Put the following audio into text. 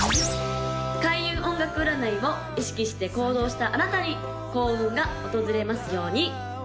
開運音楽占いを意識して行動したあなたに幸運が訪れますように！